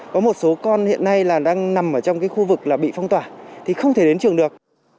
có một số con hiện nay đang nằm trong khu vực bị phong tỏa thì không thể đến trường được